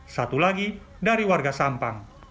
satu lagi dari warga sampang